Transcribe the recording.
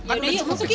ayo masuk yuk